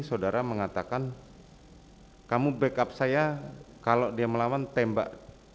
saudara mengatakan kamu backup saya kalau dia melawan tembak